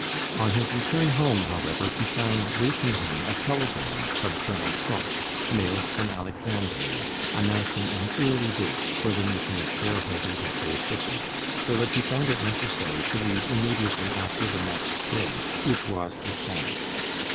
On his return home, however, he found waiting him a telegram from Colonel Thorp, mailed from Alexandria, announcing an early date for the meeting of shareholders at Bay City, so that he found it necessary to leave immediately after the next day, which was the Sabbath.